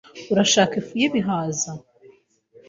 Urashaka ifu y'ibihaza?